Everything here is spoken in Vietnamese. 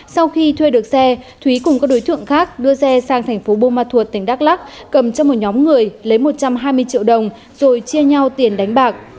sau khi thuê được xe thúy cùng các đối tượng khác đưa xe sang thành phố buôn ma thuột tỉnh đắk lắc cầm cho một nhóm người lấy một trăm hai mươi triệu đồng rồi chia nhau tiền đánh bạc